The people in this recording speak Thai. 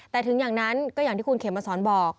แต่ถึงอย่างนั้นก็อย่างที่คุณเขมมาสอนบอก